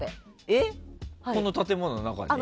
え、この建物の中に？